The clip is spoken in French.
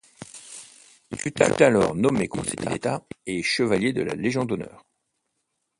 Il fut alors nommé conseiller d'État et chevalier de la Légion d'honneur.